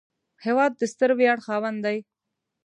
هېواد د ستر ویاړ خاوند دی